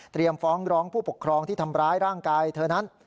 ฟ้องร้องผู้ปกครองที่ทำร้ายร่างกายเธอนั้น